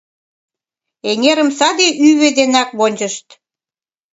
Эҥерым саде ӱвӧ денак вончышт.